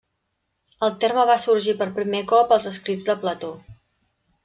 El terme va sorgir per primer cop als escrits de Plató.